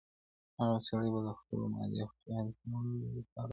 هغه سړي به د خپلو مادي خواهشاتو د کمولو لپاره غریبانو ته کتل.